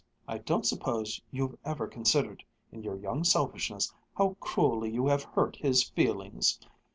I don't suppose you've ever considered, in your young selfishness, how cruelly you have hurt his feelings!